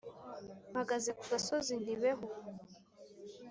Mpagaze ku gasozi nti behu !